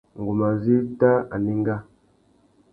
Ngu má zu éta anenga.